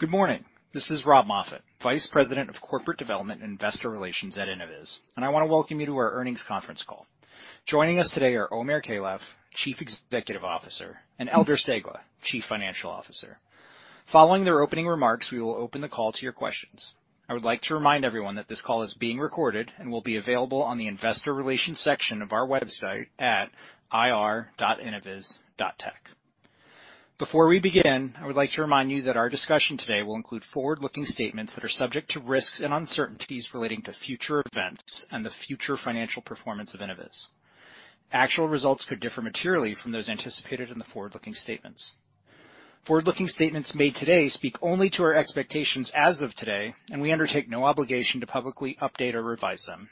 Good morning. This is Rob Moffatt, Vice President of Corporate Development and Investor Relations at Innoviz, and I want to welcome you to our earnings conference call. Joining us today are Omer Keilaf, Chief Executive Officer, and Eldar Cegla, Chief Financial Officer. Following their opening remarks, we will open the call to your questions. I would like to remind everyone that this call is being recorded and will be available on the Investor Relations section of our website at ir.innoviz.tech. Before we begin, I would like to remind you that our discussion today will include forward-looking statements that are subject to risks and uncertainties relating to future events and the future financial performance of Innoviz. Actual results could differ materially from those anticipated in the forward-looking statements. Forward-looking statements made today speak only to our expectations as of today, and we undertake no obligation to publicly update or revise them.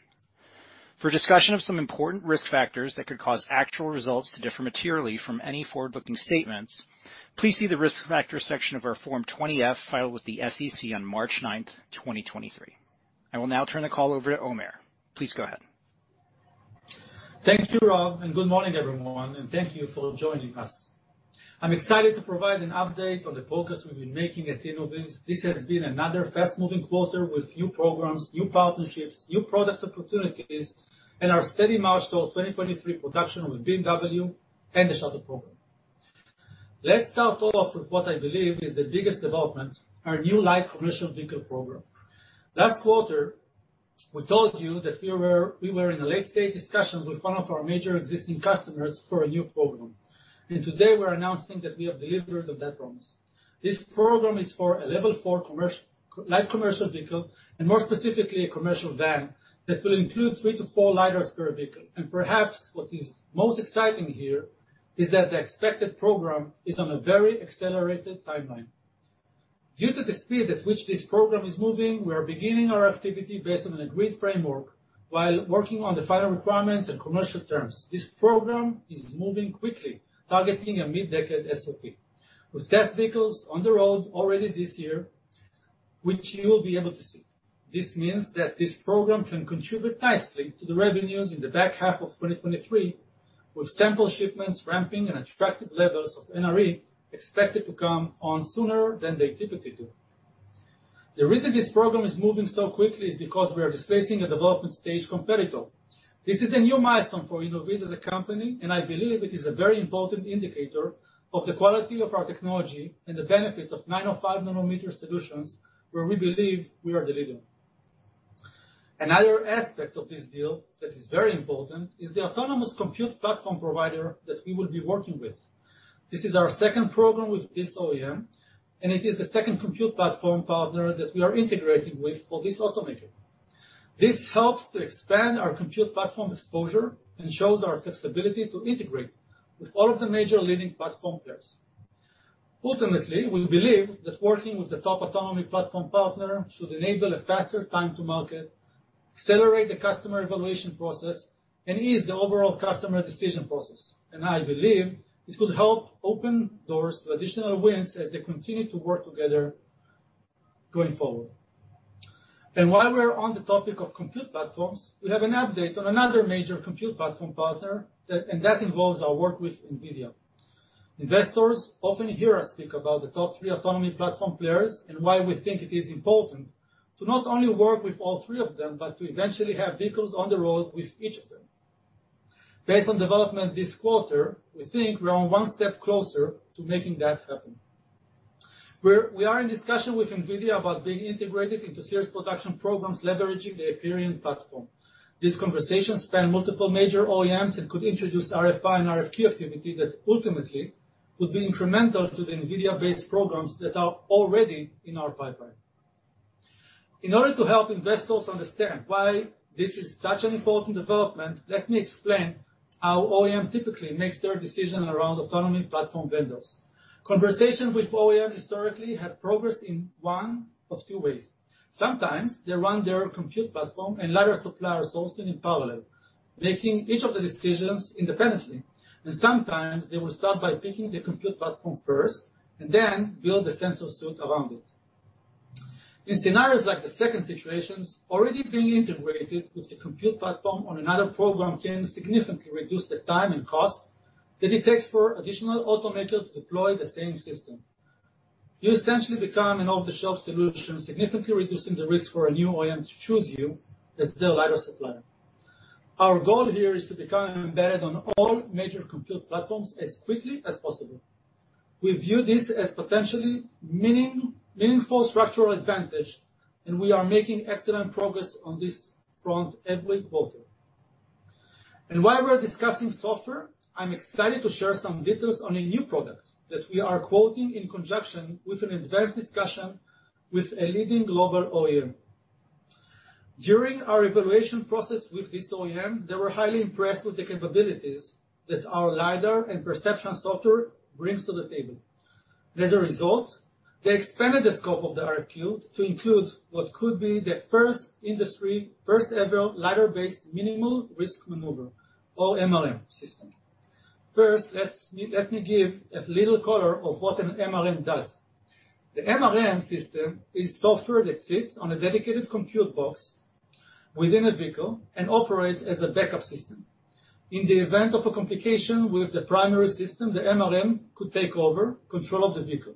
For discussion of some important risk factors that could cause actual results to differ materially from any forward-looking statements, please see the Risk Factors section of our Form 20-F filed with the SEC on March 9th, 2023. I will now turn the call over to Omer. Please go ahead. Thank you, Rob. Good morning everyone, and thank you for joining us. I'm excited to provide an update on the progress we've been making at Innoviz. This has been another fast-moving quarter with new programs, new partnerships, new product opportunities, and our steady march towards 2023 production with BMW and the Shuttle Program. Let's start off with what I believe is the biggest development, our new light commercial vehicle program. Last quarter, we told you that we were in the late stage discussions with one of our major existing customers for a new program. Today we're announcing that we have delivered on that promise. This program is for a Level 4 light commercial vehicle, and more specifically a commercial van, that will include three to four LiDARs per vehicle. Perhaps what is most exciting here is that the expected program is on a very accelerated timeline. Due to the speed at which this program is moving, we are beginning our activity based on an agreed framework while working on the final requirements and commercial terms. This program is moving quickly, targeting a mid-decade SOP, with test vehicles on the road already this year, which you will be able to see. This means that this program can contribute nicely to the revenues in the back half of 2023, with sample shipments ramping and attractive levels of NRE expected to come on sooner than they typically do. The reason this program is moving so quickly is because we are displacing a development stage competitor. This is a new milestone for Innoviz as a company, and I believe it is a very important indicator of the quality of our technology and the benefits of 905-nanometer solutions where we believe we are delivering. Another aspect of this deal that is very important is the autonomous compute platform provider that we will be working with. This is our second program with this OEM, and it is the second compute platform partner that we are integrating with for this automaker. This helps to expand our compute platform exposure and shows our flexibility to integrate with all of the major leading platform players. Ultimately, we believe that working with the top autonomy platform partner should enable a faster time to market, accelerate the customer evaluation process, and ease the overall customer decision process. I believe this will help open doors to additional wins as they continue to work together going forward. While we are on the topic of compute platforms, we have an update on another major compute platform partner and that involves our work with NVIDIA. Investors often hear us speak about the top three autonomy platform players and why we think it is important to not only work with all three of them, but to eventually have vehicles on the road with each of them. Based on development this quarter, we think we are one step closer to making that happen. We are in discussion with NVIDIA about being integrated into serious production programs leveraging the Hyperion platform. These conversations span multiple major OEMs and could introduce RFI and RFQ activity that ultimately would be incremental to the NVIDIA-based programs that are already in our pipeline. In order to help investors understand why this is such an important development, let me explain how OEM typically makes their decision around autonomy platform vendors. Conversations with OEM historically have progressed in one of two ways. Sometimes they run their compute platform and LiDAR supplier sourcing in parallel, making each of the decisions independently. Sometimes they will start by picking the compute platform first and then build a sensor suite around it. In scenarios like the second situations, already being integrated with the compute platform on another program can significantly reduce the time and cost that it takes for additional automaker to deploy the same system. You essentially become an off-the-shelf solution, significantly reducing the risk for a new OEM to choose you as their LiDAR supplier. Our goal here is to become embedded on all major compute platforms as quickly as possible. We view this as potentially meaningful structural advantage. We are making excellent progress on this front every quarter. While we're discussing software, I'm excited to share some details on a new product that we are quoting in conjunction with an advanced discussion with a leading global OEM. During our evaluation process with this OEM, they were highly impressed with the capabilities that our LiDAR and perception software brings to the table. As a result, they expanded the scope of the RFQ to include what could be the first ever LiDAR-based Minimum Risk Maneuver or MRM system. First, let me give a little color of what an MRM does. The MRM system is software that sits on a dedicated compute box within a vehicle and operates as a backup system. In the event of a complication with the primary system, the MRM could take over control of the vehicle,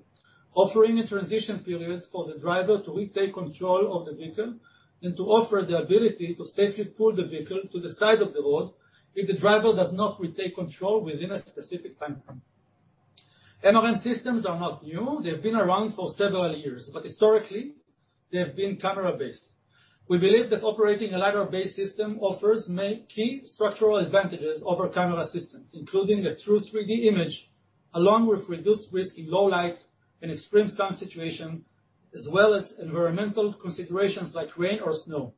offering a transition period for the driver to retake control of the vehicle and to offer the ability to safely pull the vehicle to the side of the road if the driver does not retake control within a specific time frame. MRM systems are not new. Historically, they have been camera-based. We believe that operating a LiDAR-based system offers key structural advantages over camera systems, including a true 3D image, along with reduced risk in low light and extreme sun situation, as well as environmental considerations like rain or snow.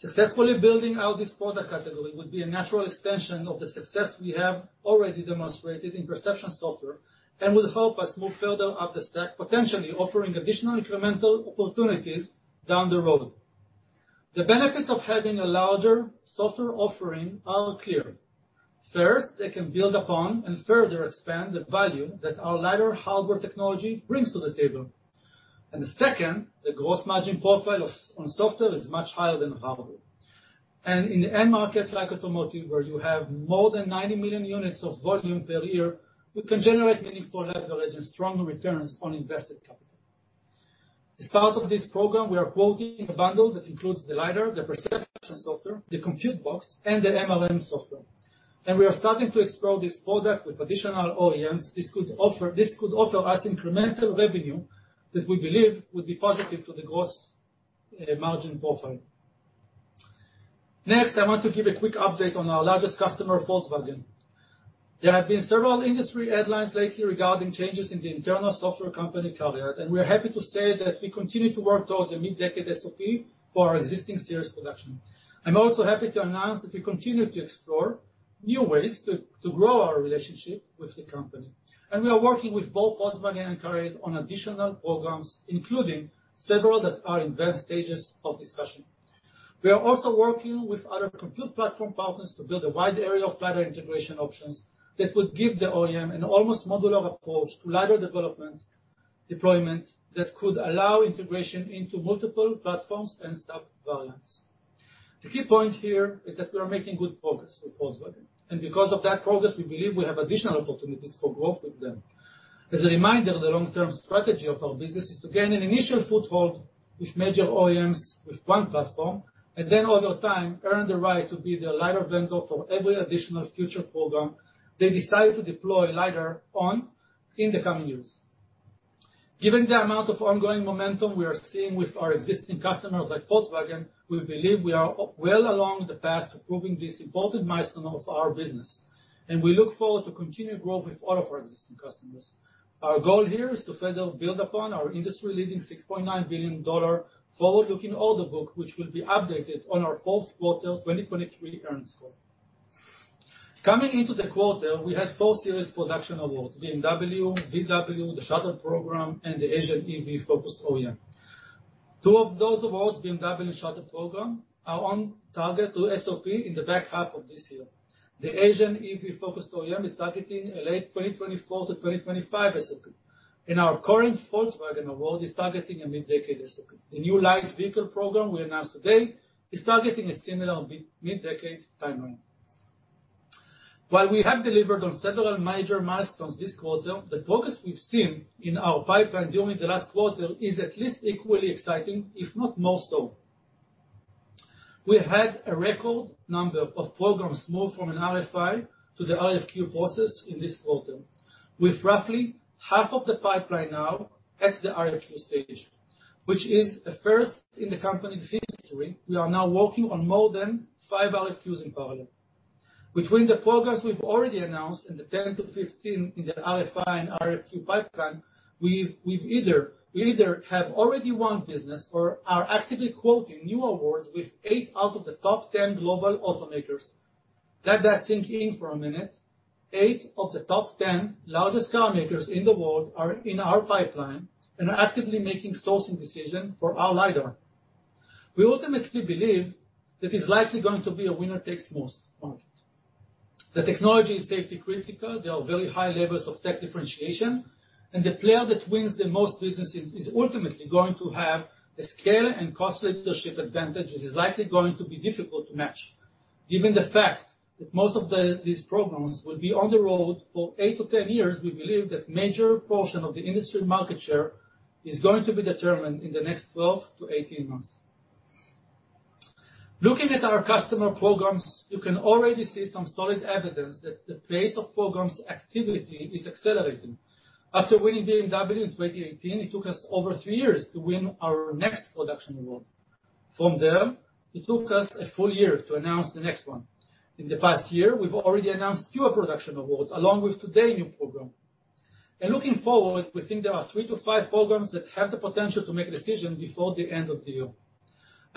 Successfully building out this product category would be a natural extension of the success we have already demonstrated in perception software and will help us move further up the stack, potentially offering additional incremental opportunities down the road. The benefits of having a larger software offering are clear. First, they can build upon and further expand the value that our LiDAR hardware technology brings to the table. Second, the gross margin profile of software is much higher than the hardware. In end markets like automotive, where you have more than 90 million units of volume per year, we can generate meaningful leverage and stronger returns on invested capital. As part of this program, we are quoting a bundle that includes the LiDAR, the perception software, the compute box, and the MRM software. We are starting to explore this product with additional OEMs. This could offer us incremental revenue that we believe would be positive to the gross margin profile. I want to give a quick update on our largest customer, Volkswagen. There have been several industry headlines lately regarding changes in the internal software company, CARIAD, and we're happy to say that we continue to work towards a mid-decade SOP for our existing series production. I'm also happy to announce that we continue to explore new ways to grow our relationship with the company. We are working with both Volkswagen and CARIAD on additional programs, including several that are in advanced stages of discussion. We are also working with other compute platform partners to build a wide area of LiDAR integration options that would give the OEM an almost modular approach to LiDAR development deployment that could allow integration into multiple platforms and sub-variants. The key point here is that we are making good progress with Volkswagen. Because of that progress, we believe we have additional opportunities for growth with them. As a reminder, the long-term strategy of our business is to gain an initial foothold with major OEMs with one platform, and then over time, earn the right to be their LiDAR vendor for every additional future program they decide to deploy LiDAR on in the coming years. Given the amount of ongoing momentum we are seeing with our existing customers like Volkswagen, we believe we are well along the path to proving this important milestone of our business, and we look forward to continued growth with all of our existing customers. Our goal here is to further build upon our industry-leading $6.9 billion forward-looking order book, which will be updated on our fourth quarter 2023 earnings call. Coming into the quarter, we had four series production awards, BMW, VW, the Shuttle Program, and the Asian EV-focused OEM. Two of those awards, BMW and Shuttle Program, are on target to SOP in the back half of this year. The Asian EV-focused OEM is targeting a late 2024 to 2025 SOP. Our current Volkswagen award is targeting a mid-decade SOP. The new light vehicle program we announced today is targeting a similar mid-decade timeline. While we have delivered on several major milestones this quarter, the progress we've seen in our pipeline during the last quarter is at least equally exciting, if not more so. We have had a record number of programs move from an RFI to the RFQ process in this quarter, with roughly half of the pipeline now at the RFQ stage, which is a first in the company's history. We are now working on more than five RFQs in parallel. Between the programs we've already announced and the 10 to 15 in the RFI and RFQ pipeline, we either have already won business or are actively quoting new awards with eight out of the top 10 global automakers. Let that sink in for a minute. Eight of the top 10 largest car makers in the world are in our pipeline and are actively making sourcing decision for our LiDAR. We ultimately believe that it's likely going to be a winner-takes-most market. The technology is safety-critical. There are very high levels of tech differentiation, and the player that wins the most businesses is ultimately going to have the scale and cost leadership advantage which is likely going to be difficult to match. Given the fact that most of these programs will be on the road for eight to 10 years, we believe that major portion of the industry market share is going to be determined in the next 12-18 months. Looking at our customer programs, you can already see some solid evidence that the pace of programs activity is accelerating. After winning BMW in 2018, it took us over three years to win our next production award. From there, it took us a one year to announce the next one. In the past year, we've already announced two production awards, along with today's new program. Looking forward, we think there are three to five programs that have the potential to make a decision before the end of the year.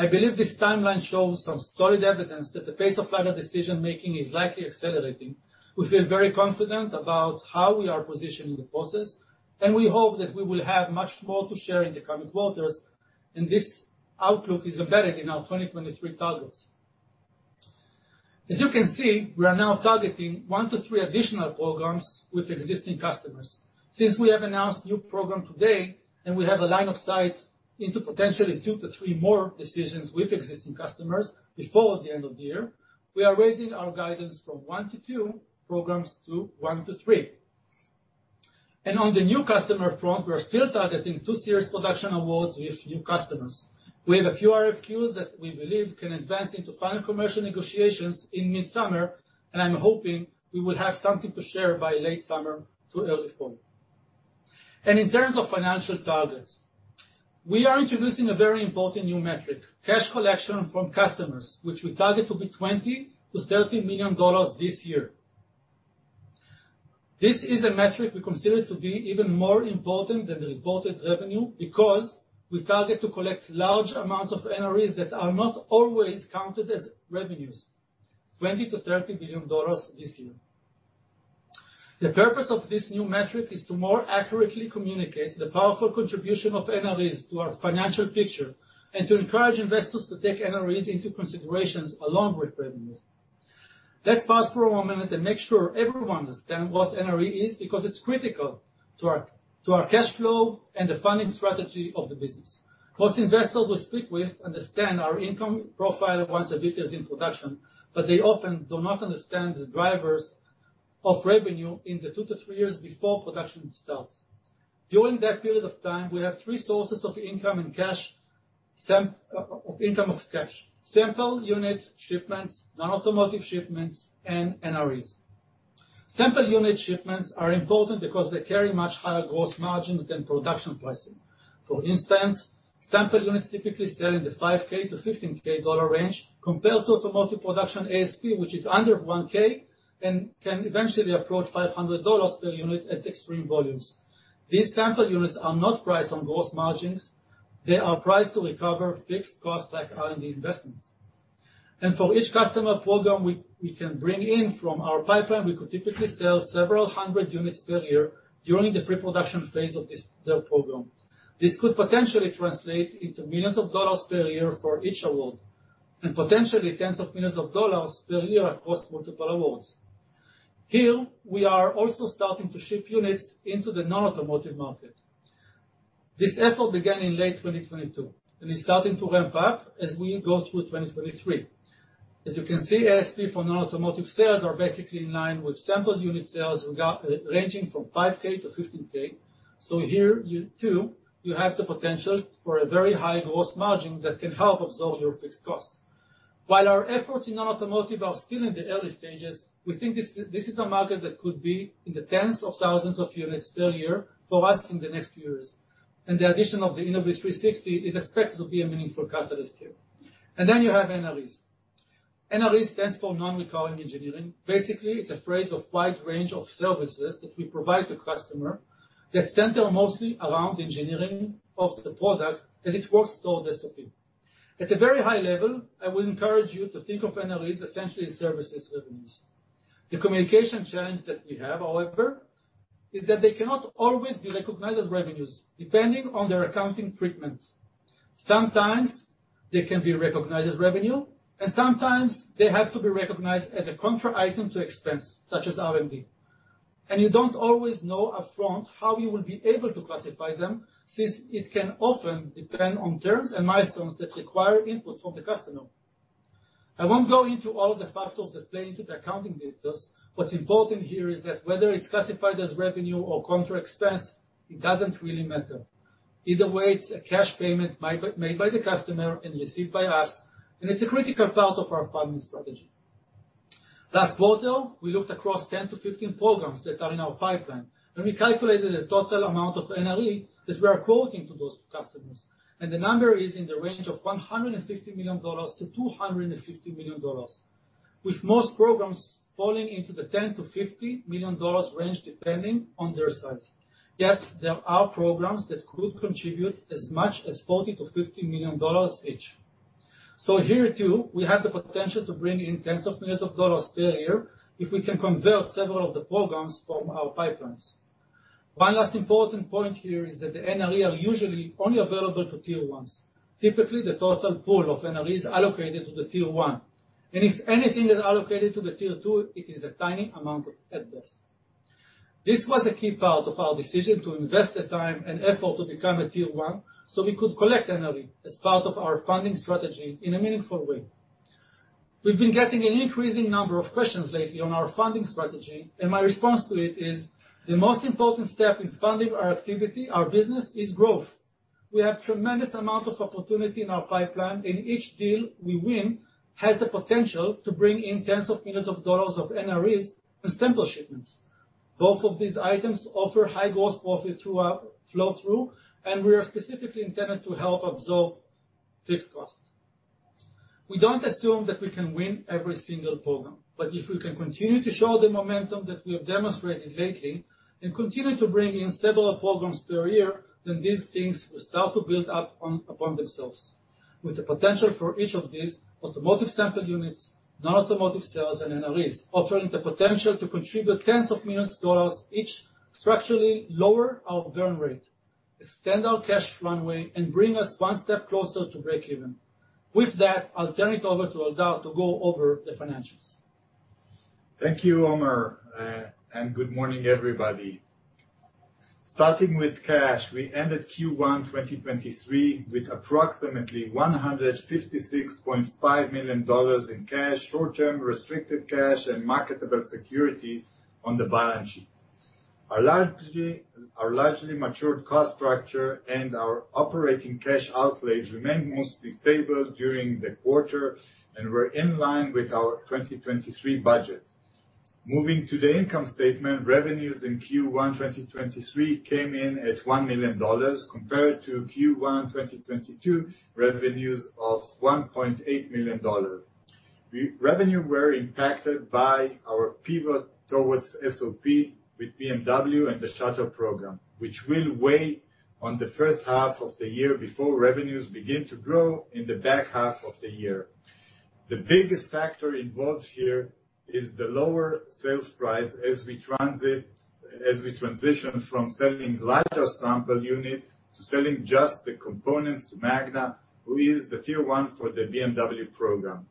I believe this timeline shows some solid evidence that the pace of LiDAR decision-making is likely accelerating. We feel very confident about how we are positioned in the process, and we hope that we will have much more to share in the coming quarters, and this outlook is embedded in our 2023 targets. As you can see, we are now targeting one to three additional programs with existing customers. Since we have announced new program today, and we have a line of sight into potentially two to three more decisions with existing customers before the end of the year, we are raising our guidance from one to two programs to one to three. On the new customer front, we are still targeting two series production awards with new customers. We have a few RFQs that we believe can advance into final commercial negotiations in mid-summer, and I'm hoping we will have something to share by late summer to early fall. In terms of financial targets, we are introducing a very important new metric, cash collection from customers, which we target to be $20 million-$30 million this year. This is a metric we consider to be even more important than the reported revenue because we target to collect large amounts of NREs that are not always counted as revenues, $20 million-$30 million this year. The purpose of this new metric is to more accurately communicate the powerful contribution of NREs to our financial picture and to encourage investors to take NREs into considerations along with revenue. Let's pause for a moment and make sure everyone understand what NRE is because it's critical to our cash flow and the funding strategy of the business. Most investors we speak with understand our income profile once the detail is in production, they often do not understand the drivers of revenue in the two to three years before production starts. During that period of time, we have three sources of income of cash. Sample unit shipments, non-automotive shipments, and NREs. Sample unit shipments are important because they carry much higher gross margins than production pricing. For instance, sample units typically sell in the $5,000-$15,000 range compared to automotive production ASP, which is under $1,000 and can eventually approach $500 per unit at extreme volumes. These sample units are not priced on gross margins, they are priced to recover fixed costs like R&D investments. For each customer program we can bring in from our pipeline, we could typically sell several hundred units per year during the pre-production phase of their program. This could potentially translate into millions of dollars per year for each award and potentially tens of millions of dollars per year across multiple awards. Here, we are also starting to ship units into the non-automotive market. This effort began in late 2022 and is starting to ramp up as we go through 2023. As you can see, ASP for non-automotive sales are basically in line with samples unit sales ranging from $5,000-$15,000. Here you have the potential for a very high gross margin that can help absorb your fixed cost. While our efforts in non-automotive are still in the early stages, we think this is a market that could be in the tens of thousands of units per year for us in the next years, and the addition of the Innoviz360 is expected to be a meaningful catalyst here. You have NREs. NRE stands for Non-Recurring Engineering. Basically, it's a phrase of wide range of services that we provide to customer that center mostly around engineering of the product as it works towards SOP. At a very high level, I will encourage you to think of NREs essentially as services revenues. The communication challenge that we have, however, is that they cannot always be recognized as revenues, depending on their accounting treatment. Sometimes they can be recognized as revenue, and sometimes they have to be recognized as a contra item to expense, such as R&D. You don't always know upfront how you will be able to classify them, since it can often depend on terms and milestones that require input from the customer. I won't go into all the factors that play into the accounting details. What's important here is that whether it's classified as revenue or contra expense, it doesn't really matter. Either way, it's a cash payment made by the customer and received by us, and it's a critical part of our funding strategy. Last quarter, we looked across 10-15 programs that are in our pipeline, and we calculated the total amount of NRE that we are quoting to those customers, and the number is in the range of $150 million-$250 million, with most programs falling into the $10 million-$50 million range, depending on their size. Yes, there are programs that could contribute as much as $40 million-$50 million each. Here too, we have the potential to bring in tens of millions of dollars per year if we can convert several of the programs from our pipelines. One last important point here is that the NRE are usually only available to Tier 1s, typically the total pool of NREs allocated to the Tier 1. If anything is allocated to the Tier 2, it is a tiny amount at best. This was a key part of our decision to invest the time and effort to become a Tier 1, so we could collect NRE as part of our funding strategy in a meaningful way. We've been getting an increasing number of questions lately on our funding strategy. My response to it is, the most important step in funding our activity, our business, is growth. We have tremendous amount of opportunity in our pipeline. Each deal we win has the potential to bring in tens of millions of dollars of NREs and sample shipments. Both of these items offer high gross profit through our flow through. We are specifically intended to help absorb fixed cost. We don't assume that we can win every single program. If we can continue to show the momentum that we have demonstrated lately and continue to bring in several programs per year, these things will start to build up upon themselves. With the potential for each of these automotive sample units, non-automotive sales and NREs offering the potential to contribute tens of millions of dollars each structurally lower our burn rate. Extend our cash runway and bring us one step closer to break even. With that, I'll turn it over to Eldar to go over the financials. Thank you, Omer. Good morning, everybody. Starting with cash, we ended Q1 2023 with approximately $156.5 million in cash, short-term restricted cash, and marketable security on the balance sheet. Our largely matured cost structure and our operating cash outlays remained mostly stable during the quarter and were in line with our 2023 budget. Moving to the income statement, revenues in Q1 2023 came in at $1 million compared to Q1 2022 revenues of $1.8 million. Revenue were impacted by our pivot towards SOP with BMW and the Shuttle Program, which will weigh on the first half of the year before revenues begin to grow in the back half of the year. The biggest factor involved here is the lower sales price as we transition from selling larger sample units to selling just the components to Magna, who is the Tier 1 for the BMW program.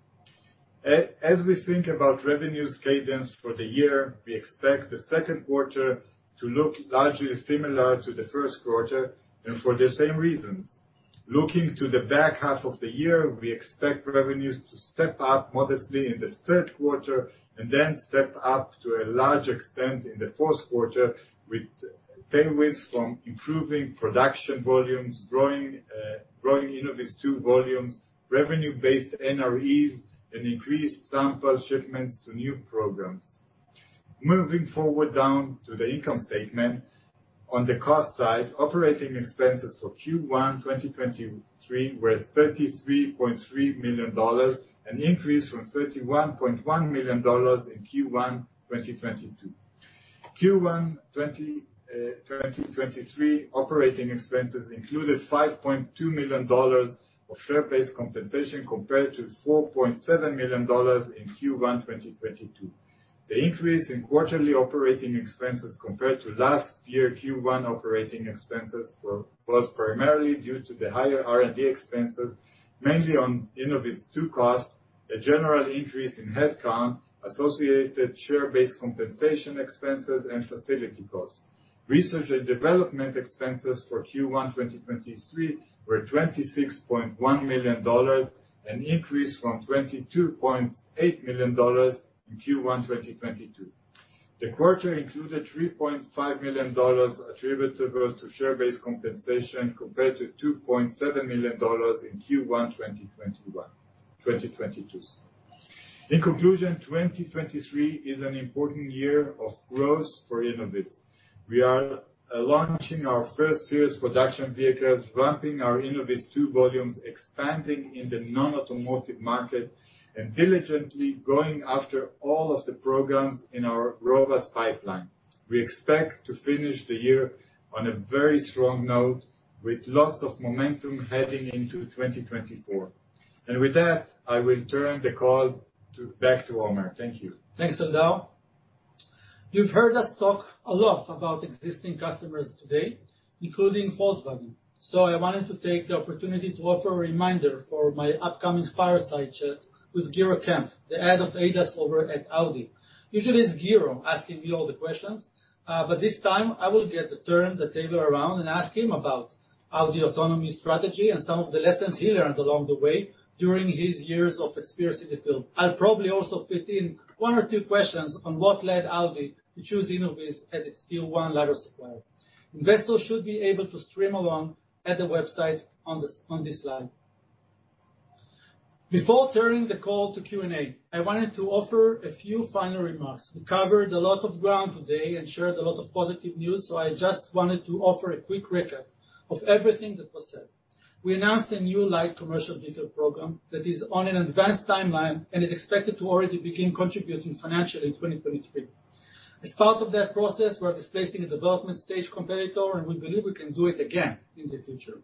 As we think about revenues cadence for the year, we expect the second quarter to look largely similar to the first quarter, for the same reasons. Looking to the back half of the year, we expect revenues to step up modestly in the third quarter and then step up to a large extent in the fourth quarter, with tailwinds from improving production volumes, growing InnovizTwo volumes, revenue-based NREs, and increased sample shipments to new programs. Moving forward down to the income statement. On the cost side, operating expenses for Q1, 2023 were $33.3 million, an increase from $31.1 million in Q1, 2022. Q1, 2023 operating expenses included $5.2 million of share-based compensation compared to $4.7 million in Q1, 2022. The increase in quarterly operating expenses compared to last year Q1 operating expenses was primarily due to the higher R&D expenses, mainly on InnovizTwo costs, a general increase in headcount, associated share-based compensation expenses, and facility costs. Research and development expenses for Q1, 2023 were $26.1 million, an increase from $22.8 million in Q1, 2022. The quarter included $3.5 million attributable to share-based compensation compared to $2.7 million in Q1, 2022. In conclusion, 2023 is an important year of growth for Innoviz. We are launching our first series production vehicles, ramping our InnovizTwo volumes, expanding in the non-automotive market, and diligently going after all of the programs in our robust pipeline. We expect to finish the year on a very strong note with lots of momentum heading into 2024. With that, I will turn the call back to Omer. Thank you. Thanks, Eldar. You've heard us talk a lot about existing customers today, including Volkswagen. I wanted to take the opportunity to offer a reminder for my upcoming fireside chat with Gero Kempf, the head of ADAS over at Audi. Usually, it's Gero asking me all the questions. This time I will get to turn the table around and ask him about Audi autonomy strategy and some of the lessons he learned along the way during his years of experience in the field. I'll probably also fit in one or two questions on what led Audi to choose Innoviz as its Tier 1 LiDAR supplier. Investors should be able to stream along at the website on this slide. Before turning the call to Q&A, I wanted to offer a few final remarks. We covered a lot of ground today and shared a lot of positive news, so I just wanted to offer a quick recap of everything that was said. We announced a new light commercial vehicle program that is on an advanced timeline and is expected to already begin contributing financially in 2023. As part of that process, we're displacing a development stage competitor, and we believe we can do it again in the future.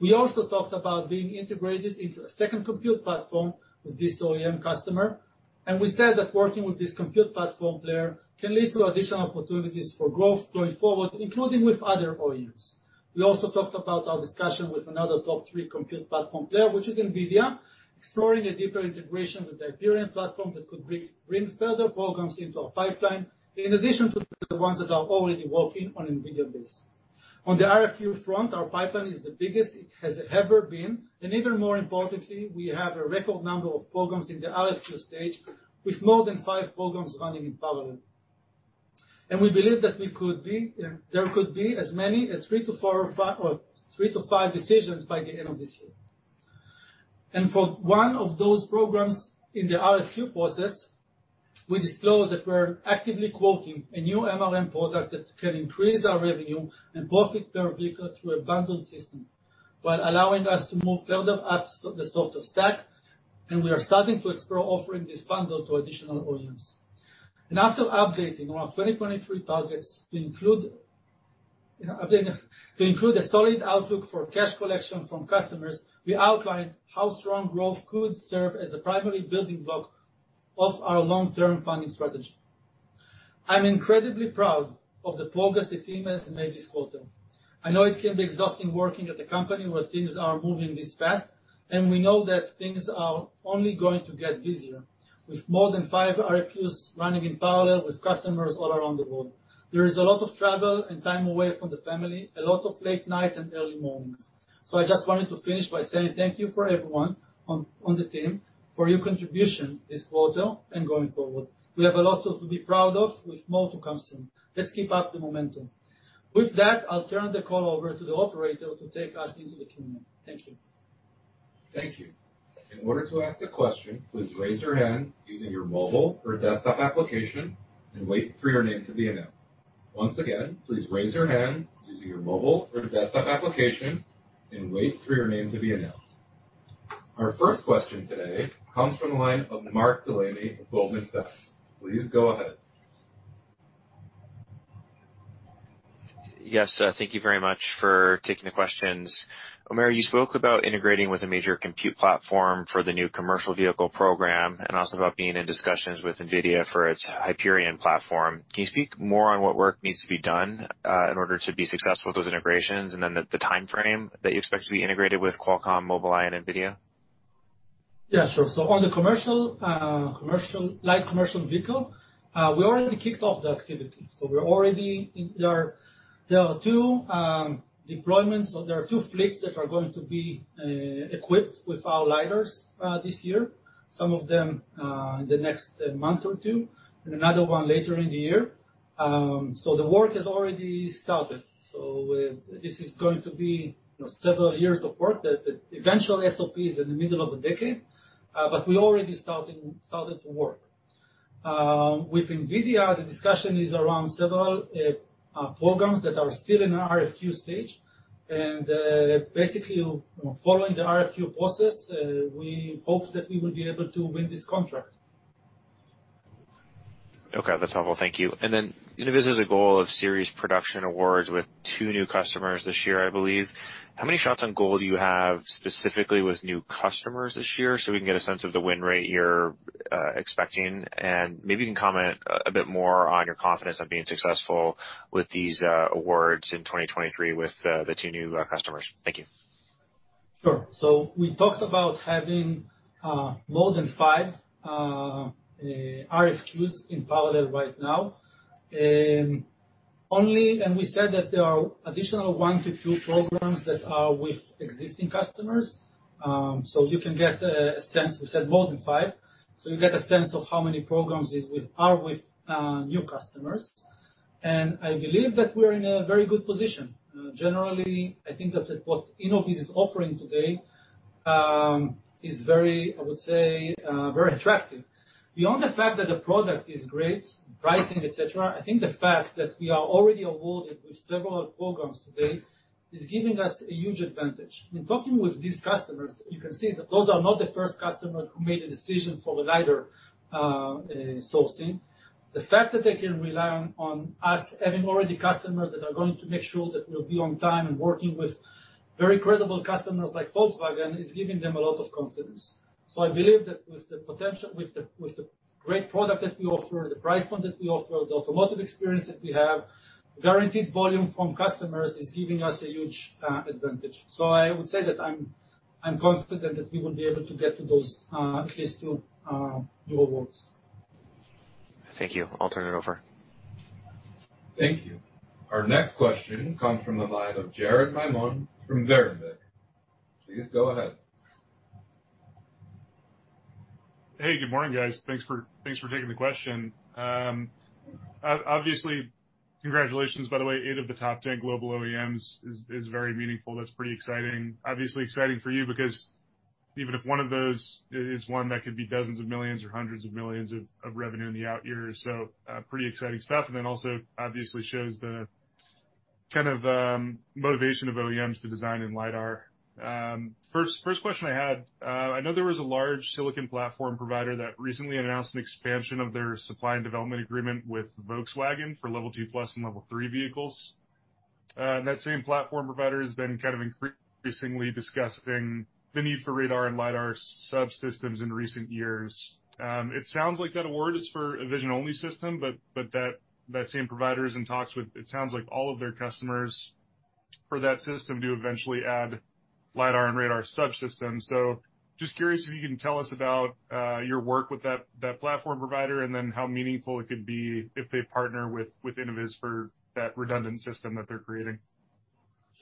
We also talked about being integrated into a second compute platform with this OEM customer, and we said that working with this compute platform player can lead to additional opportunities for growth going forward, including with other OEMs. We also talked about our discussion with another top three compute platform player, which is NVIDIA, exploring a deeper integration with the Iberia platform that could bring further programs into our pipeline, in addition to the ones that are already working on NVIDIA base. On the RFQ front, our pipeline is the biggest it has ever been, and even more importantly, we have a record number of programs in the RFQ stage with more than five programs running in parallel. We believe that there could be as many as three to five decisions by the end of this year. For one of those programs in the RFQ process, we disclosed that we're actively quoting a new MRM product that can increase our revenue and profit per vehicle through a bundled system, while allowing us to move further up the software stack, and we are starting to explore offering this bundle to additional OEMs. After updating our 2023 targets to include, you know, to include a solid outlook for cash collection from customers, we outlined how strong growth could serve as the primary building block of our long-term funding strategy. I'm incredibly proud of the progress the team has made this quarter. I know it can be exhausting working at the company where things are moving this fast, and we know that things are only going to get busier. With more than five RFQs running in parallel with customers all around the world, there is a lot of travel and time away from the family, a lot of late nights and early mornings. I just wanted to finish by saying thank you for everyone on the team for your contribution this quarter and going forward. We have a lot to be proud of with more to come soon. Let's keep up the momentum. With that, I'll turn the call over to the operator to take us into the Q&A. Thank you. Thank you. In order to ask a question, please raise your hand using your mobile or desktop application and wait for your name to be announced. Once again, please raise your hand using your mobile or desktop application and wait for your name to be announced. Our first question today comes from the line of Mark Delaney of Goldman Sachs. Please go ahead. Yes, thank you very much for taking the questions. Omer, you spoke about integrating with a major compute platform for the new commercial vehicle program and also about being in discussions with NVIDIA for its Hyperion platform. Can you speak more on what work needs to be done in order to be successful with those integrations and then the timeframe that you expect to be integrated with Qualcomm, Mobileye, and NVIDIA? On the light commercial vehicle, we already kicked off the activity, so we're already in. There are two deployments or there are two fleets that are going to be equipped with our LiDARs this year. Some of them in the next month or two, and another one later in the year. The work has already started. This is going to be, you know, several years of work that the eventual SOP is in the middle of the decade, but we already started to work. With NVIDIA, the discussion is around several programs that are still in RFQ stage. Basically, you know, following the RFQ process, we hope that we will be able to win this contract. Okay. That's helpful. Thank you. Then Innoviz has a goal of series production awards with two new customers this year, I believe. How many shots on goal do you have specifically with new customers this year, so we can get a sense of the win rate you're expecting? Maybe you can comment a bit more on your confidence on being successful with these awards in 2023 with the two new customers. Thank you. Sure. We talked about having more than five RFQs in parallel right now. And we said that there are additional one to two programs that are with existing customers. You can get a sense. We said more than five, so you get a sense of how many programs are with new customers. I believe that we're in a very good position. Generally, I think that what Innoviz is offering today is very, I would say, very attractive. Beyond the fact that the product is great, pricing, et cetera, I think the fact that we are already awarded with several programs today is giving us a huge advantage. In talking with these customers, you can see that those are not the first customers who made a decision for the LiDAR sourcing. The fact that they can rely on us having already customers that are going to make sure that we'll be on time and working with very credible customers like Volkswagen is giving them a lot of confidence. I believe that with the great product that we offer, the price point that we offer, the automotive experience that we have, guaranteed volume from customers is giving us a huge advantage. I would say that I'm confident that we will be able to get to those at least two new awards. Thank you. I'll turn it over. Thank you. Our next question comes from the line of Jared Maymon from Berenberg. Please go ahead. Hey, good morning, guys. Thanks for taking the question. Obviously, congratulations, by the way. Eight of the top 10 global OEMs is very meaningful. That's pretty exciting. Obviously exciting for you because even if one of those is one that could be dozens of millions or hundreds of millions of revenue in the out years. Pretty exciting stuff, and then also obviously shows the kind of motivation of OEMs to design in LiDAR. First question I had, I know there was a large silicon platform provider that recently announced an expansion of their supply and development agreement with Volkswagen for Level 2+ and Level 3 vehicles. That same platform provider has been kind of increasingly discussing the need for radar and LiDAR subsystems in recent years. It sounds like that award is for a vision-only system, but that same provider is in talks with it sounds like all of their customers for that system to eventually add LiDAR and radar subsystems. Just curious if you can tell us about your work with that platform provider and then how meaningful it could be if they partner with Innoviz for that redundant system that they're creating.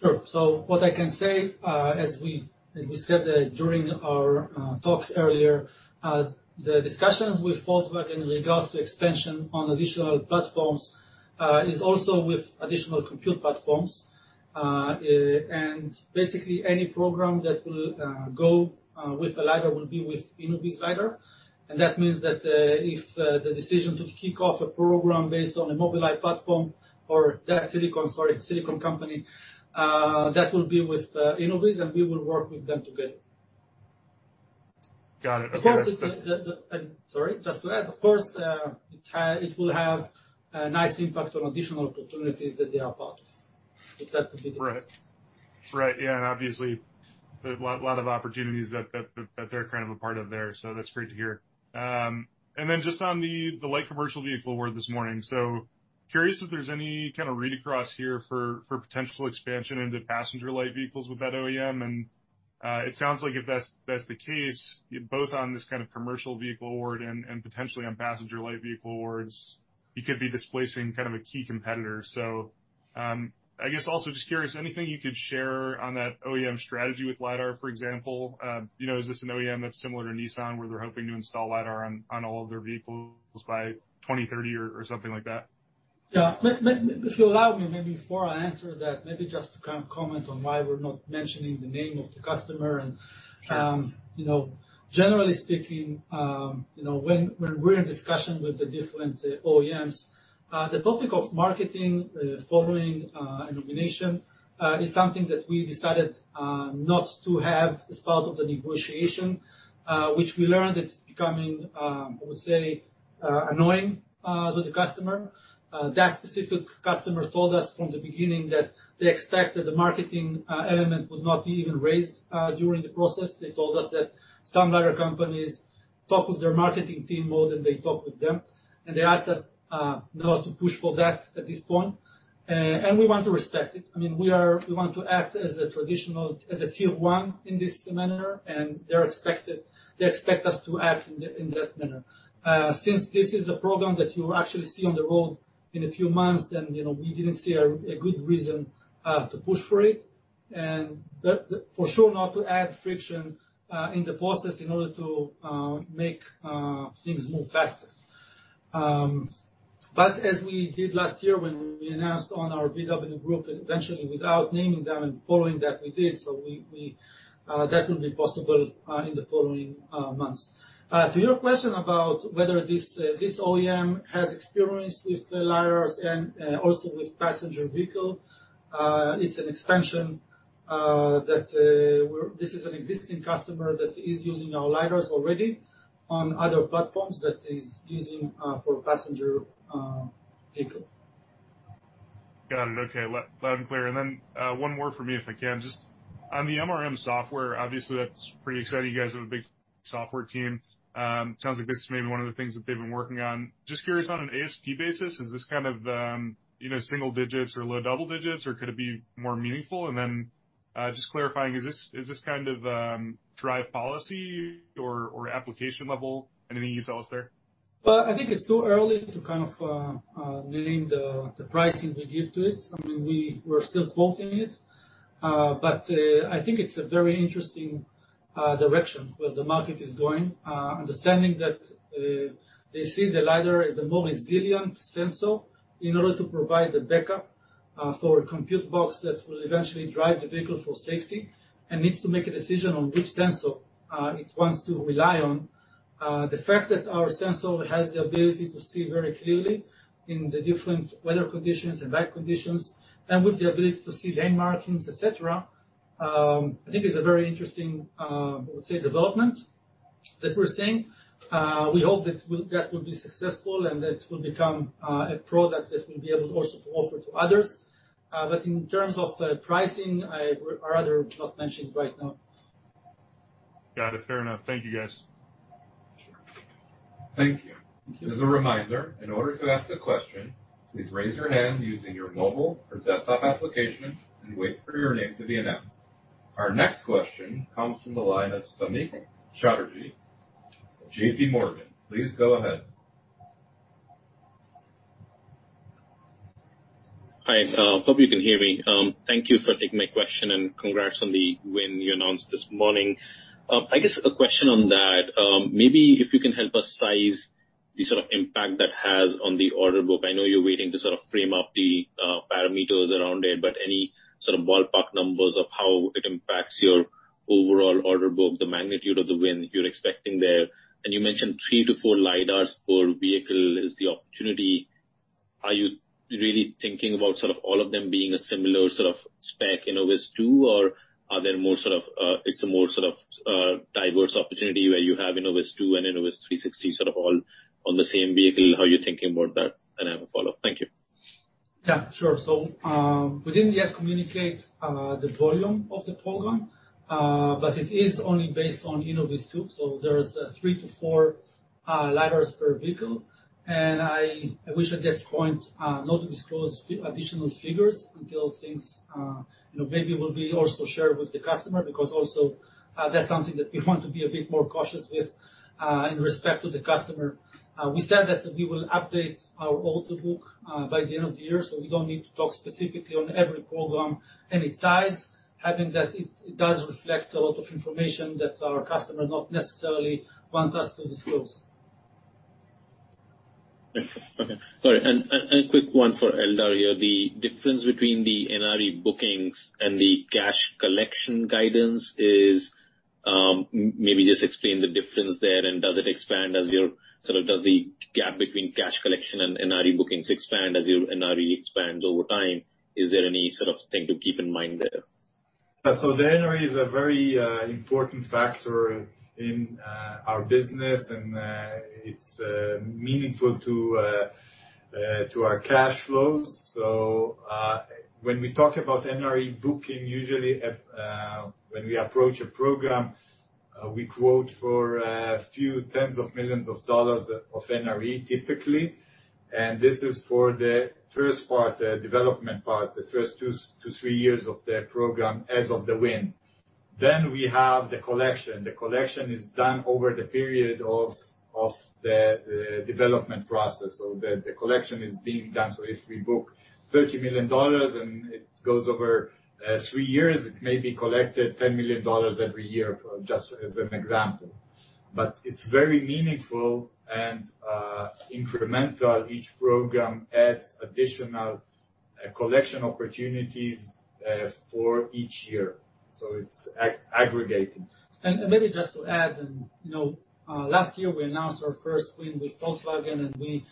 Sure. What I can say, as we discussed during our talk earlier, the discussions with Volkswagen in regards to expansion on additional platforms is also with additional compute platforms. Basically any program that will go with the LiDAR will be with Innoviz LiDAR. That means that if the decision to kick off a program based on a Mobileye platform or that silicon company, that will be with Innoviz, and we will work with them together. Got it. Okay. Of course, sorry, just to add, of course, it will have a nice impact on additional opportunities that they are part of. If that would be the case. Right. Obviously a lot of opportunities that they're kind of a part of there. That's great to hear. Then just on the light commercial vehicle award this morning. Curious if there's any kind of read across here for potential expansion into passenger light vehicles with that OEM. It sounds like if that's the case, both on this kind of commercial vehicle award and potentially on passenger light vehicle awards, you could be displacing kind of a key competitor. I guess also just curious, anything you could share on that OEM strategy with LiDAR, for example. You know, is this an OEM that's similar to Nissan where they're hoping to install LiDAR on all of their vehicles by 2030 or something like that? Yeah. If you allow me, maybe before I answer that, maybe just to kind of comment on why we're not mentioning the name of the customer. Sure. You know, generally speaking, you know, when we're in discussion with the different OEMs, the topic of marketing, following, illumination, is something that we decided, not to have as part of the negotiation, which we learned it's becoming, I would say, annoying, to the customer. That specific customer told us from the beginning that they expect that the marketing, element would not be even raised, during the process. They told us that some other companies talk with their marketing team more than they talk with them. They asked us, not to push for that at this point. We want to respect it. I mean, we want to act as a traditional, as a Tier 1 in this manner, and they expect us to act in that manner. Since this is a program that you actually see on the road in a few months, then, you know, we didn't see a good reason to push for it. For sure not to add friction in the process in order to make things move faster. As we did last year when we announced on our VW Group, eventually without naming them and following that, we did. We, we, that will be possible in the following months. To your question about whether this OEM has experience with the LiDARs and also with passenger vehicle, it's an expansion that this is an existing customer that is using our LiDARs already on other platforms that is using for passenger vehicle. Got it. Okay. loud and clear. One more for me, if I can. Just on the MRM software, obviously that's pretty exciting. You guys have a big software team. Sounds like this is maybe one of the things that they've been working on. Just curious, on an ASP basis, is this kind of, you know, single digits or low double digits or could it be more meaningful? Just clarifying, is this kind of, drive policy or application level? Anything you can tell us there? Well, I think it's too early to kind of name the pricing we give to it. I mean, we were still quoting it. I think it's a very interesting direction where the market is going, understanding that they see the LiDAR as a more resilient sensor in order to provide the backup for a compute box that will eventually drive the vehicle for safety and needs to make a decision on which sensor it wants to rely on. The fact that our sensor has the ability to see very clearly in the different weather conditions and light conditions, and with the ability to see lane markings, et cetera, I think is a very interesting, I would say, development that we're seeing. We hope that will be successful and that will become a product that we'll be able also to offer to others. In terms of the pricing, I would rather not mention right now. Got it. Fair enough. Thank you, guys. Sure. Thank you. As a reminder, in order to ask a question, please raise your hand using your mobile or desktop application and wait for your name to be announced. Our next question comes from the line of Samik Chatterjee, JPMorgan. Please go ahead. Hi. Hope you can hear me. Thank you for taking my question. Congrats on the win you announced this morning. I guess a question on that, maybe if you can help us size the sort of impact that has on the order book. I know you're waiting to sort of frame up the parameters around it, any sort of ballpark numbers of how it impacts your overall order book, the magnitude of the win you're expecting there. You mentioned three to four LiDARs per vehicle is the opportunity. Are you really thinking about sort of all of them being a similar sort of spec InnovizTwo, or are there more sort of diverse opportunity where you have InnovizTwo and Innoviz360 sort of all on the same vehicle? How are you thinking about that? I have a follow-up. Thank you. Yeah, sure. We didn't yet communicate the volume of the program, but it is only based on InnovizTwo. There's three to four LiDARs per vehicle. I wish at this point not to disclose additional figures until things, you know, maybe will be also shared with the customer because also that's something that we want to be a bit more cautious with in respect to the customer. We said that we will update our order book by the end of the year, so we don't need to talk specifically on every program and its size, having that it does reflect a lot of information that our customer not necessarily want us to disclose. Okay. Sorry. Quick one for Eldar here. The difference between the NRE bookings and the cash collection guidance is, maybe just explain the difference there. Does the gap between cash collection and NRE bookings expand as your NRE expands over time? Is there any sort of thing to keep in mind there? The NRE is a very important factor in our business, and it's meaningful to our cash flows. When we talk about NRE booking, usually at when we approach a program, we quote for a few tens of millions of dollars of NRE typically. This is for the first part, the development part, the first two to three years of the program as of the win. We have the collection. The collection is done over the period of the development process. The collection is being done. If we book $30 million and it goes over three years, it may be collected $10 million every year, just as an example. It's very meaningful and incremental. Each program adds additional collection opportunities for each year. It's aggregating. Maybe just to add. You know, last year we announced our first win with Volkswagen, and we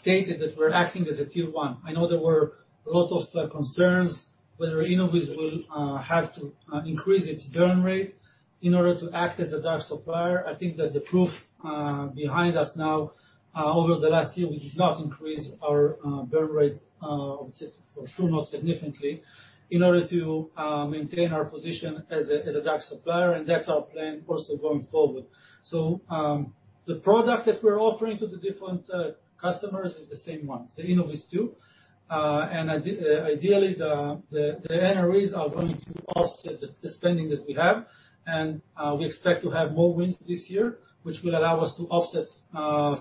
stated that we're acting as a Tier 1. I know there were a lot of concerns whether Innoviz will have to increase its burn rate in order to act as a direct supplier. I think that the proof behind us now, over the last year, we did not increase our burn rate, for sure, not significantly, in order to maintain our position as a direct supplier. That's our plan also going forward. The product that we're offering to the different customers is the same one, the InnovizTwo. Ideally, the NREs are going to offset the spending that we have. We expect to have more wins this year, which will allow us to offset,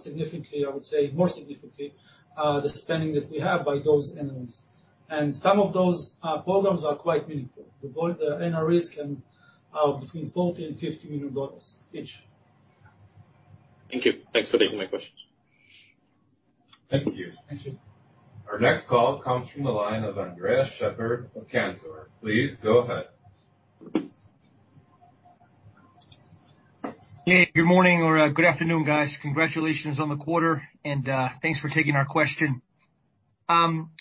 significantly, I would say more significantly, the spending that we have by those NREs. Some of those programs are quite meaningful. The NREs can, between $40 million and $50 million each. Thank you. Thanks for taking my questions. Thank you. Thank you. Our next call comes from the line of Andres Sheppard of Cantor Fitzgerald. Please go ahead. Hey, good morning, or good afternoon, guys. Congratulations on the quarter, and thanks for taking our question.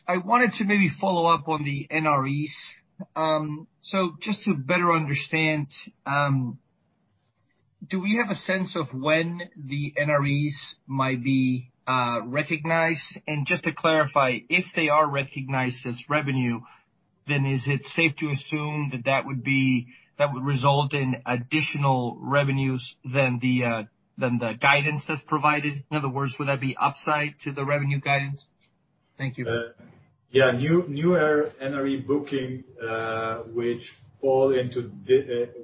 I wanted to maybe follow-up on the NREs. Just to better understand, do we have a sense of when the NREs might be recognized? Just to clarify, if they are recognized as revenue, then is it safe to assume that that would result in additional revenues than the guidance that's provided? In other words, would that be upside to the revenue guidance? Thank you. New, newer NRE booking, which fall into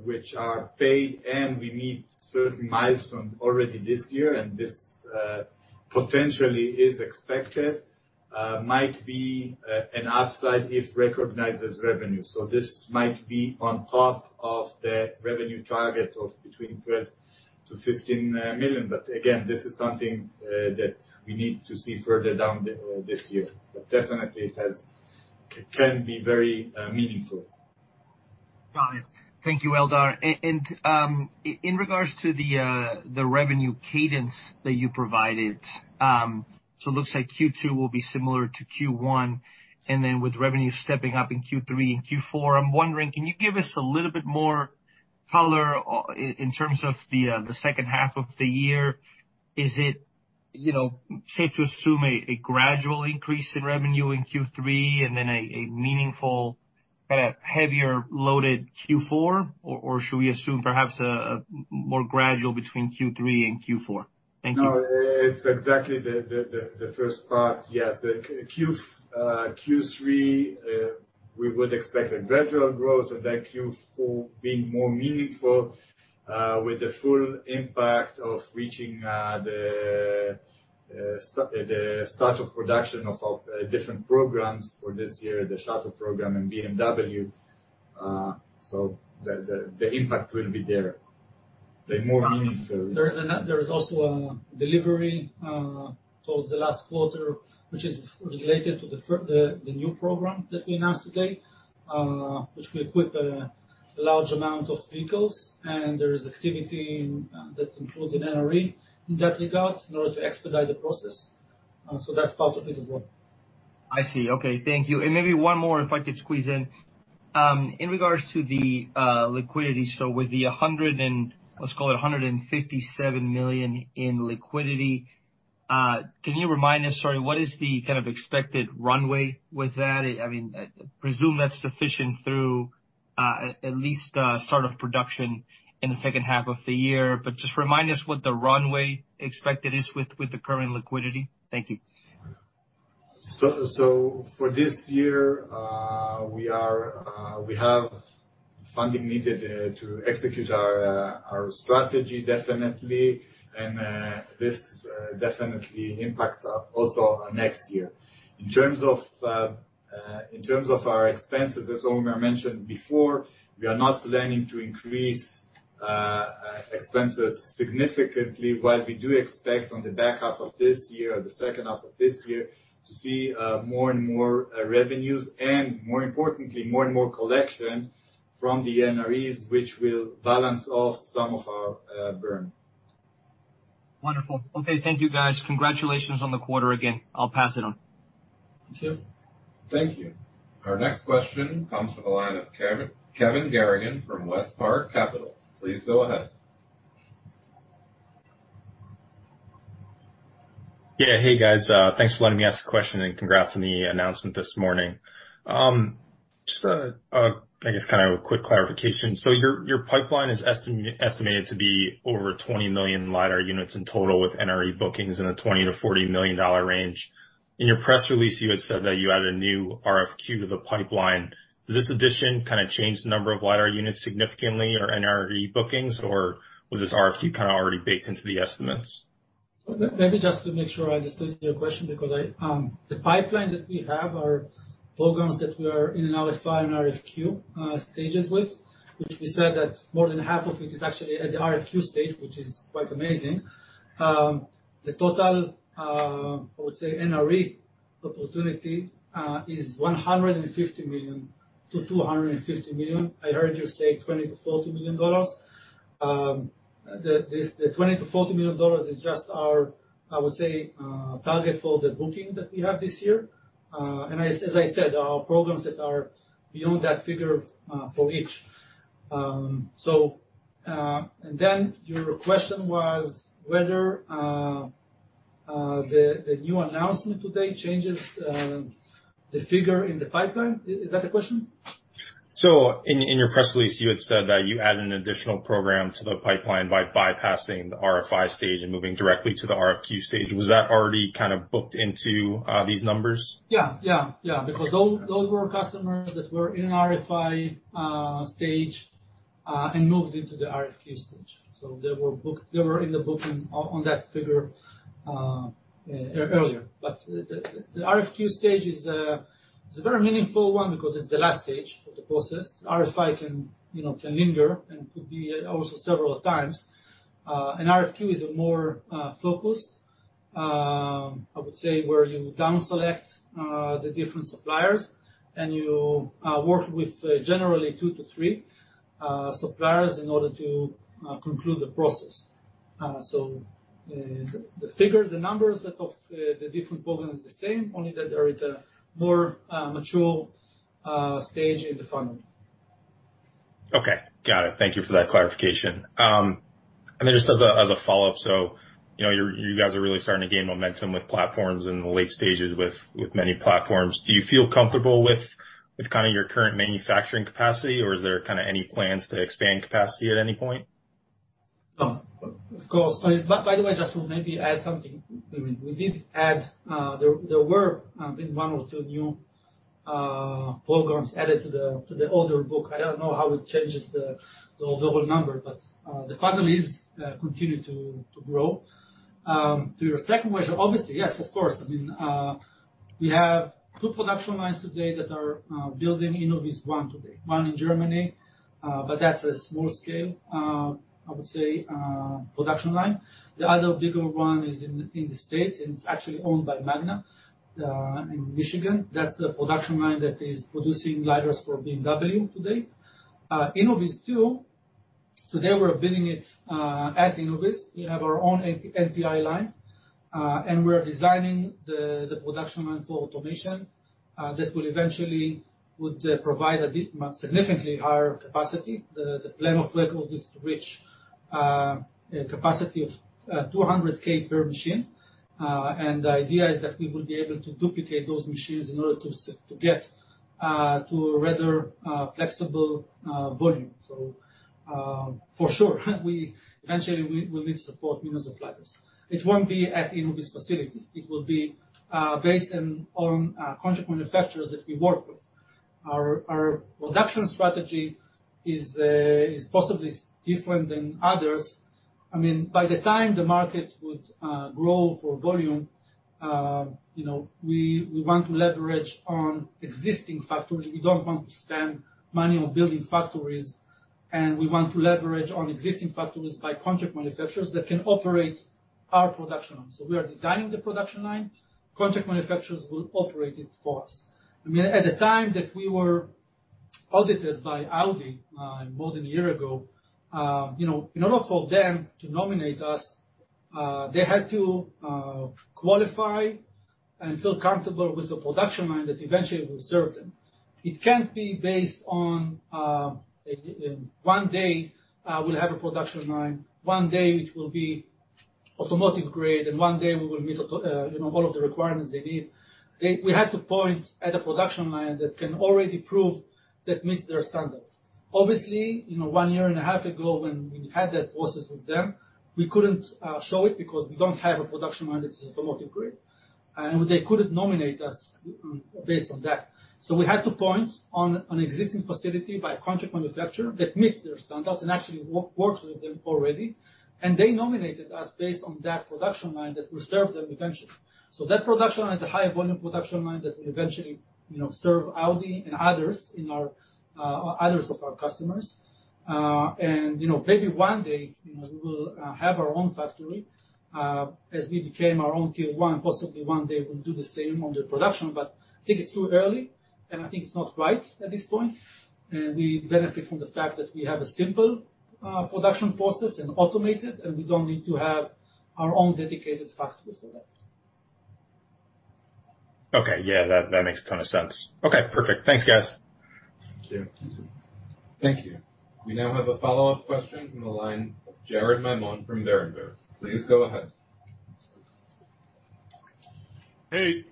which are paid, we meet certain milestones already this year, this potentially is expected, might be an upside if recognized as revenue. This might be on top of the revenue target of between $12 million-$15 million. Again, this is something that we need to see further down this year. Definitely it can be very meaningful. Got it. Thank you, Eldar. In regards to the revenue cadence that you provided, it looks like Q2 will be similar to Q1, and then with revenue stepping up in Q3 and Q4. I'm wondering, can you give us a little bit more color in terms of the second half of the year? Is it, you know, safe to assume a gradual increase in revenue in Q3 and then a meaningful, kinda heavier loaded Q4? Or should we assume perhaps a more gradual between Q3 and Q4? Thank you. No, it's exactly the first part. Yes. Q3, we would expect a gradual growth, and then Q4 being more meaningful with the full impact of reaching the start of production of different programs for this year, the Shuttle Program and BMW. The impact will be there. The more meaningful. There is also a delivery towards the last quarter, which is related to the new program that we announced today, which will equip a large amount of vehicles, and there is activity that includes an NRE in that regard in order to expedite the process. That's part of it as well. I see. Okay. Thank you. Maybe one more, if I could squeeze in. In regards to the liquidity, with the let's call it $157 million in liquidity, can you remind us, sorry, what is the kind of expected runway with that? I mean, I presume that's sufficient through at least start of production in the second half of the year. Just remind us what the runway expected is with the current liquidity. Thank you. For this year, we are we have funding needed to execute our strategy, definitely. This definitely impacts also next year. In terms of our expenses, as Omer mentioned before, we are not planning to increase expenses significantly, while we do expect on the back half of this year or the second half of this year to see more and more revenues, and more importantly, more and more collection from the NREs, which will balance off some of our burn. Wonderful. Okay. Thank you, guys. Congratulations on the quarter again. I'll pass it on. Thank you. Thank you. Our next question comes from the line of Kevin Garrigan from WestPark Capital. Please go ahead. Hey guys, thanks for letting me ask a question, and congrats on the announcement this morning. Just I guess kind of a quick clarification. Your, your pipeline is estimated to be over 20 million LiDAR units in total with NRE bookings in a $20 million-$40 million range. In your press release, you had said that you added a new RFQ to the pipeline. Does this addition kind of change the number of LiDAR units significantly or NRE bookings, or was this RFQ kind of already baked into the estimates? Maybe just to make sure I understood your question because I, the pipeline that we have are programs that we are in an RFI and RFQ stages with, which we said that more than half of it is actually at the RFQ stage, which is quite amazing. The total, I would say NRE opportunity, is $150 million-$250 million. I heard you say $20 million-$40 million. The $20 million-$40 million is just our, I would say, target for the booking that we have this year. As I said, our programs that are beyond that figure for each. Your question was whether the new announcement today changes the figure in the pipeline. Is that the question? In your press release, you had said that you added an additional program to the pipeline by bypassing the RFI stage and moving directly to the RFQ stage. Was that already kind of booked into these numbers? Yeah. Yeah. Yeah. Those were customers that were in an RFI stage and moved into the RFQ stage. They were in the booking on that figure earlier. The RFQ stage is a very meaningful one because it's the last stage of the process. RFI can, you know, can linger and could be also several times. An RFQ is a more focused, I would say, where you down-select the different suppliers and you work with generally two to three suppliers in order to conclude the process. The figures, the numbers of the different program is the same, only that they're at a more mature stage in the funnel. Okay. Got it. Thank you for that clarification. Just as a follow-up. you know, you guys are really starting to gain momentum with platforms in the late stages with many platforms. Do you feel comfortable with kinda your current manufacturing capacity, or is there kinda any plans to expand capacity at any point? Of course. By the way, just to maybe add something. We did add, been one or two new programs added to the order book. I don't know how it changes the overall number, but the funnel is continue to grow. To your second question, obviously yes, of course. I mean, we have two production lines today that are building InnovizOne today. One in Germany, but that's a small scale, I would say, production line. The other bigger one is in the States, and it's actually owned by Magna in Michigan. That's the production line that is producing LiDARs for BMW today. InnovizTwo, today we're building it at Innoviz. We have our own MTI line. We're designing the production line for automation that will eventually provide significantly higher capacity. The plan of record is to reach a capacity of 200,000 per machine. The idea is that we will be able to duplicate those machines in order to get to a rather flexible volume. For sure, we eventually need to support millions of LiDARs. It won't be at Innoviz facility. It will be based on contract manufacturers that we work with. Our production strategy is possibly different than others. I mean, by the time the market would grow for volume, you know, we want to leverage on existing factories. We don't want to spend money on building factories, and we want to leverage on existing factories by contract manufacturers that can operate our production line. We are designing the production line. Contract manufacturers will operate it for us. I mean, at the time that we were audited by Audi, more than a year ago, you know, in order for them to nominate us, they had to qualify and feel comfortable with the production line that eventually will serve them. It can't be based on one day, we'll have a production line, one day which will be automotive grade, and one day we will meet, you know, all of the requirements they need. We had to point at a production line that can already prove that meets their standards. Obviously, you know, one year and a half ago when we had that process with them, we couldn't show it because we don't have a production line that is automotive-grade, and they couldn't nominate us based on that. We had to point on an existing facility by a contract manufacturer that meets their standards and actually works with them already. They nominated us based on that production line that will serve them eventually. That production line is a high volume production line that will eventually, you know, serve Audi and others in our others of our customers. You know, maybe one day, you know, we will have our own factory, as we became our own Tier 1, and possibly one day we'll do the same on the production, but I think it's too early, and I think it's not right at this point. We benefit from the fact that we have a simple production process and automated, and we don't need to have our own dedicated factory for that. Okay. Yeah. That makes a ton of sense. Okay, perfect. Thanks, guys. Thank you. Thank you. We now have a follow-up question from the line of Jared Maymon from Berenberg. Please go ahead. Hey,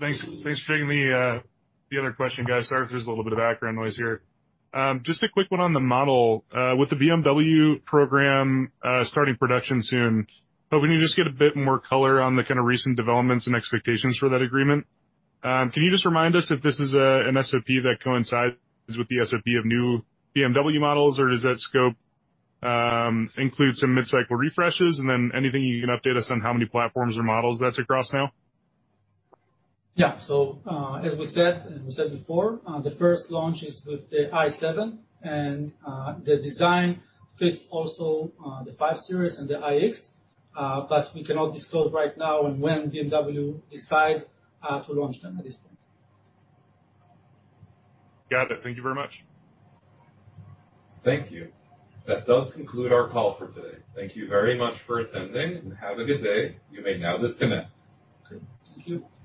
thanks for taking the other question, guys. Sorry if there's a little bit of background noise here. Just a quick one on the model. With the BMW program, starting production soon, hoping you just get a bit more color on the kinda recent developments and expectations for that agreement. Can you just remind us if this is an SOP that coincides with the SOP of new BMW models, or does that scope include some mid-cycle refreshes? Then anything you can update us on how many platforms or models that's across now? Yeah. As we said before, the first launch is with the i7 and the design fits also the 5 Series and the iX, but we cannot disclose right now on when BMW decide to launch them at this point. Got it. Thank you very much. Thank you. That does conclude our call for today. Thank you very much for attending, and have a good day. You may now disconnect. Okay. Thank you.